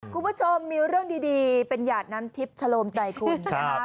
คุณผู้ชมมีเรื่องดีเป็นหยาดน้ำทิพย์ชะโลมใจคุณนะคะ